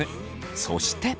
そして。